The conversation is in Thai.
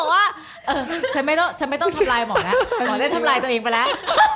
ไม่ใช่จะบอกว่าฉันไม่ต้องทำลายหมอนะหมอได้ทำลายตัวเองไปแล้ว